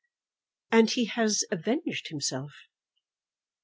"And he has avenged himself."